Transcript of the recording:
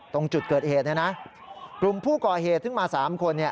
ตรงจุดเกิดเหตุเนี่ยนะกลุ่มผู้ก่อเหตุซึ่งมา๓คน